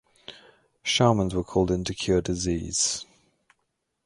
Shamans were called in to cure disease.